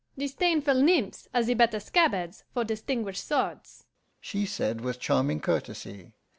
'Disdainful nymphs are the better scabbards for distinguished swords,' she said, with charming courtesy.